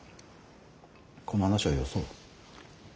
この話はよそう。